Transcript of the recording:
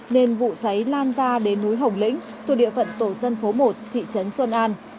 nên vụ cháy lan ra đến núi hồng lĩnh thuộc địa phận tổ dân phố một thị trấn xuân an